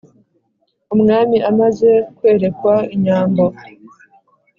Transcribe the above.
umwami amaze kwerekwa inyambo